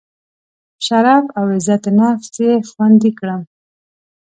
شرف او عزت نفس یې خوندي کړم.